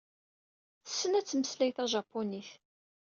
Tessen ad tmeslay tajapunit.